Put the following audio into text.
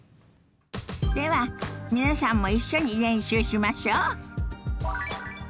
では皆さんも一緒に練習しましょ。